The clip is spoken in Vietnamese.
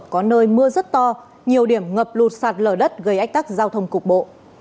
có nơi mưa rất to nhiều điểm ngập lụt sạt lở đất gây ách tắc giao thông cục bộ